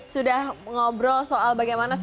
sudah ngobrol soal bagaimana sih